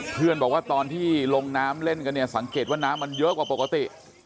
เพื่อนบอกว่าตอนที่ลงน้ำเล่นกันเนี่ยสังเกตว่าน้ำมันเยอะกว่าปกติ